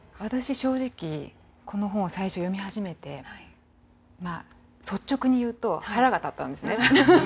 私正直この本を最初読み始めてまあ率直に言うと腹が立ったんですね。